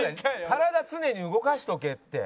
体常に動かしとけって。